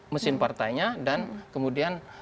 mesin partainya dan kemudian